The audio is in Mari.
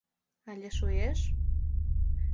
— Але шуэш...